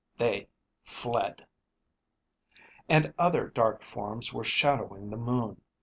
They fled. And other dark forms were shadowing the moon.